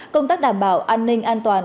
công tác đảm bảo an ninh an toàn